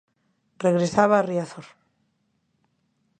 Regresaba a Riazor.